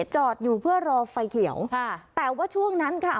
จอดอยู่เพื่อรอไฟเขียวค่ะแต่ว่าช่วงนั้นค่ะ